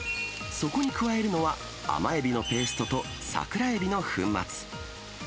そこに加えるのは、甘エビのペーストと桜エビの粉末。